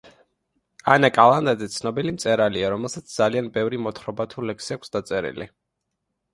ანა კალანდაძე ცნობილი მწერალია რომელსაც ძალიან ბევრი მოთხრობა თუ ლექსი აქვს დაწერილი